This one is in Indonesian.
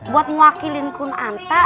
buat mewakilin kun anta